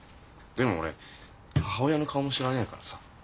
でも俺母親の顔も知らねえからさ。